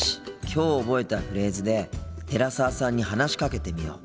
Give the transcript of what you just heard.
きょう覚えたフレーズで寺澤さんに話しかけてみよう。